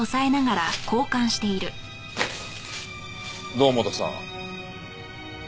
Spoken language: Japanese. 堂本さん。